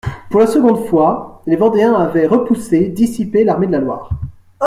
Pour la seconde fois, les Vendéens avaient repoussé, dissipé l'armée de la Loire.